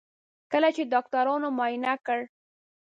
کله چې ډاکټرانو معاینه کړ.